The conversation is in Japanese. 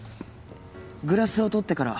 グラスを取ってから誰